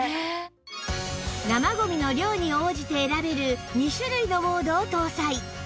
生ゴミの量に応じて選べる２種類のモードを搭載